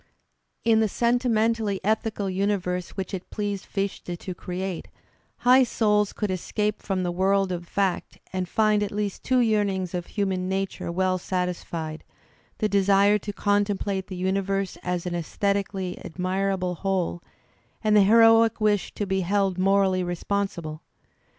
In the sentimentally ethical universe which it pleased Fichte to create, high souls could escape from the world of fact and find at least two yearnings of human nature well satisfied, the desire to contemplate the universe as an sesthet ically admirable whole and the heroic wish to be held morally responsible.